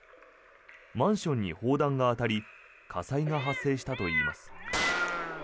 マンションに砲弾が当たり火災が発生したといいます。